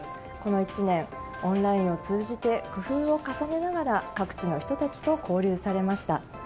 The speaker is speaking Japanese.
この１年、オンラインを通じて工夫を重ねながら各地の人たちと交流されました。